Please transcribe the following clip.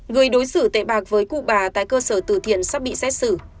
người đối xử tệ bạc với cụ bà tại cơ sở tử thiện sắp bị xét xử